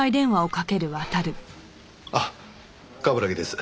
あっ冠城です。